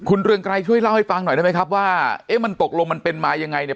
คุณเรืองไกรช่วยเล่าให้ฟังหน่อยได้ไหมครับว่าเอ๊ะมันตกลงมันเป็นมายังไงเนี่ย